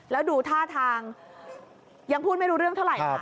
แล้วดูท่าทางยังพูดไม่รู้เรื่องเท่าไหร่ครับ